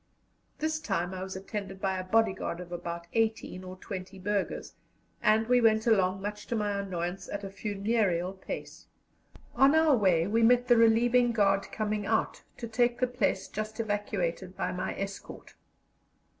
This time I was attended by a bodyguard of about eighteen or twenty burghers, and we went along, much to my annoyance, at a funereal pace. On our way we met the relieving guard coming out to take the place just evacuated by my escort.